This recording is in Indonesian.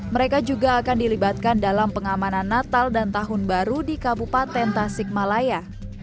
mereka juga akan dilibatkan dalam pengamanan natal dan tahun baru di kabupaten tasikmalaya